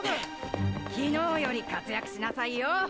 昨日より活躍しなさいよ！